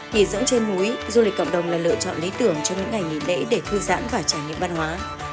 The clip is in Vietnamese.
nhìn dẫn trên núi du lịch cộng đồng là lựa chọn lý tưởng cho những ngày nghỉ lễ để thư giãn và trải nghiệm văn hóa